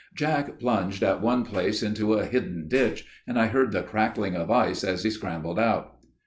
Jack plunged at one place into a hidden ditch, and I heard the crackling of ice as he scrambled out.